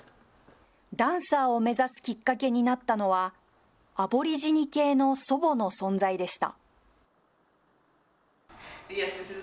ダンサーを目指すきっかけになったのは、アボリジニ系の祖母の存在でした。